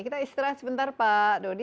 kita istirahat sebentar pak dodi